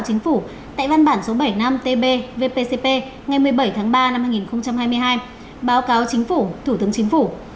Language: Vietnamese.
chính phủ tại văn bản số bảy mươi năm tb vpcp ngày một mươi bảy tháng ba năm hai nghìn hai mươi hai báo cáo chính phủ thủ tướng chính phủ